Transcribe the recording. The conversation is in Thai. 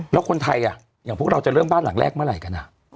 แล้วคนไทยอย่างพวกเราจะเริ่มบ้านหลังแรกเมื่อไหร่กัน